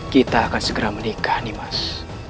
kita akan segera menikah nimas